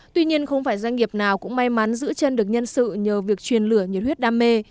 tuy nhiên không phải doanh nghiệp nào cũng may mắn giữ chân được nhân sự nhờ việc truyền lửa nhiệt huyết đam mê